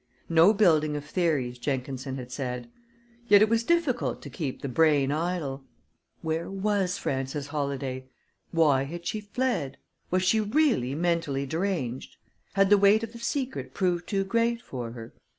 No building of theories, Jenkinson had said; yet it was difficult to keep the brain idle. Where was Frances Holladay? Why had she fled? Was she really mentally deranged? Had the weight of the secret proved too great for her?